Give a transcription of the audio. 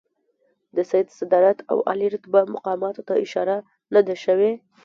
د سید صدارت او عالي رتبه مقاماتو ته اشاره نه ده شوې.